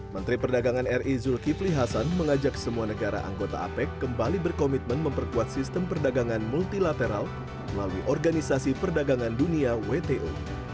menteri perdagangan ri zulkifli hasan mengajak semua negara anggota apec kembali berkomitmen memperkuat sistem perdagangan multilateral melalui organisasi perdagangan dunia wto